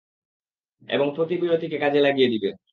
এবং প্রতি বিরতিকে লাগিয়ে দিবে।